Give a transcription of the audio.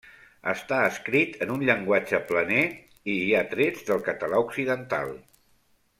Està escrit en un llenguatge planer i hi ha trets del català occidental.